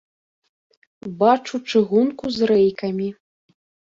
Бачу чыгунку з рэйкамі.